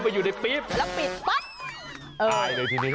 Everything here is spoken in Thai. พี่พินโย